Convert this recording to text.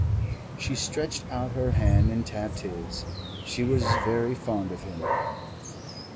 She stretched out her hand and tapped his. She was very fond of him.